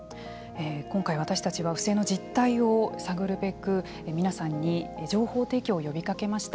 今回私たちは不正の実態を探るべく皆さんに情報提供を呼びかけました。